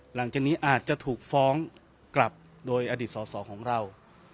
หลังจากนี้อาจจะถูกฟ้องกลับโดยอดีตสอสอของเรา